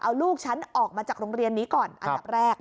เอาลูกฉันออกมาจากโรงเรียนนี้ก่อนอันดับแรก